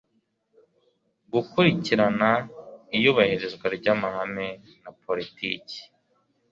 gukurikirana iyubahirizwa ry amahame na politiki